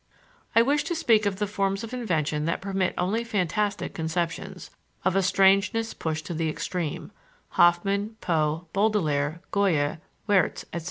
I wish to speak of the forms of invention that permit only fantastic conceptions, of a strangeness pushed to the extreme (Hoffman, Poe, Baudelaire, Goya, Wiertz, etc.)